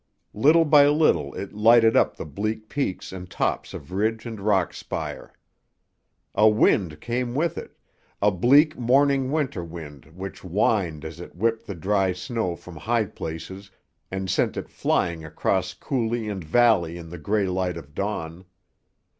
Little by little it lighted up the bleak peaks and tops of ridge and rock spire. A wind came with it, a bleak, morning Winter wind which whined as it whipped the dry snow from high places and sent it flying across coulée and valley in the grey light of dawn.